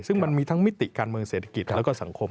ซึ่งมันมีทั้งมิติการเมืองเศรษฐกิจแล้วก็สังคม